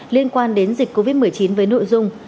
liên quan đến dịch covid một mươi chín với nội dung